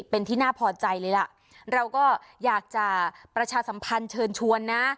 เป็นที่น่าพอใจเลยล่ะเราก็อยากจะประชาสัมพันธ์เชิญชวนนะ